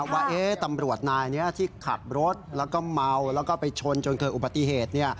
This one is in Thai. ว่าตำรวจนายนี้ที่ขับรถแล้วก็เมาแล้วก็ไปชนจนเกิดอุบัติเหตุ